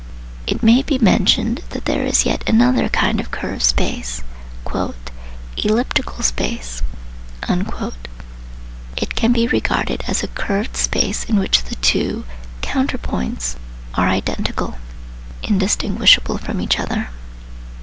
It may be mentioned that there is yet another kind of curved space: " elliptical space." It can be regarded as a curved space in which the two " counter points " are identical (indistinguishable from each other).